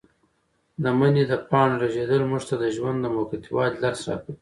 د مني د پاڼو رژېدل موږ ته د ژوند د موقتي والي درس راکوي.